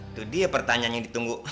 itu dia pertanyaan yang ditunggu